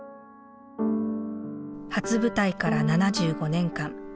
初舞台から７５年間。